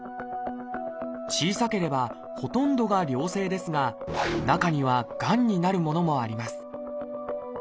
小さければほとんどが良性ですが中にはがんになるものもあります